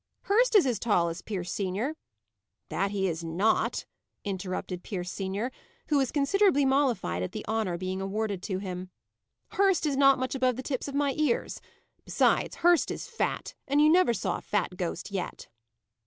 "Hurst is as tall as Pierce senior." "That he is not," interrupted Pierce senior, who was considerably mollified at the honour being awarded to him. "Hurst is not much above the tips of my ears. Besides, Hurst is fat; and you never saw a fat ghost yet."